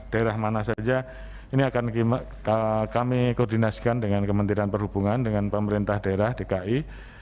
daerah mana saja ini akan kami koordinasikan dengan kementerian perhubungan dengan pemerintah daerah dki